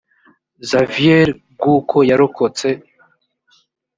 xavier bw uko yarokotse